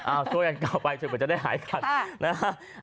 อ้าวช่วยกันเก่าไปเฉพาะจะได้หายคันนะฮะ